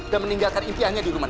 dan meninggalkan impiannya di rumania